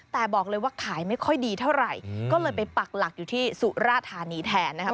แต่บอกเลยว่าขายไม่ค่อยดีเท่าไหร่ก็เลยไปปักหลักอยู่ที่สุราธานีแทนนะครับ